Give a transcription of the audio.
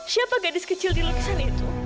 siapa gadis kecil di lukisan itu